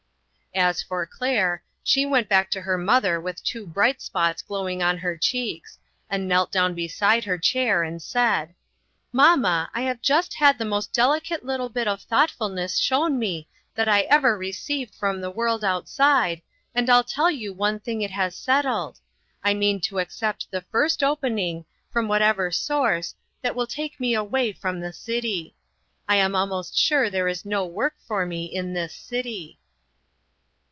As for Claire, she went back to her mother with two bright spots glowing on her cheeks, and knelt down beside her chair, and said :" Mamma, I have just had the most deli cate little bit of thoughtfulness shown me that I ever received from the world outside, and I'll tell } T OU one thing it has settled; I mean to accept the first opening, from what ever source, that will take me away from the city. I am almost sure there is no work for me in this city."